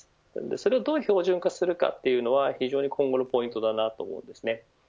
それをどう標準化していくのかが非常に今後のポイントだと思います。